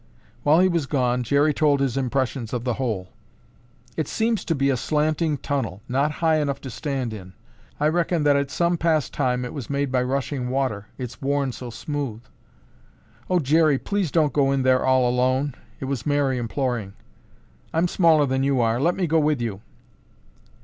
While he was gone, Jerry told his impressions of the hole. "It seems to be a slanting tunnel, not high enough to stand in. I reckon that at some past time it was made by rushing water, it's worn so smooth." "Oh, Jerry, please don't go in there all alone." It was Mary imploring. "I'm smaller than you are. Let me go with you."